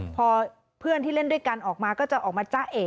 พอเพื่อนที่เล่นด้วยกันออกมาก็จะออกมาจ้าเอ๋